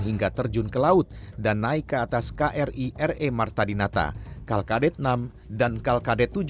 hingga terjun ke laut dan naik ke atas kri re marta dinata kalkadet enam dan kalkadet tujuh